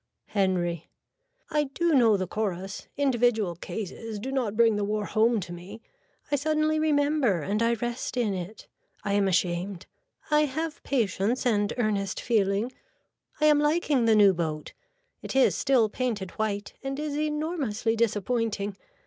(Henry.) I do know the chorus. Individual cases do not bring the war home to me. I suddenly remember and I rest in it. I am ashamed. I have patience and earnest feeling. I am liking the new boat. It is still painted white and is enormously disappointing.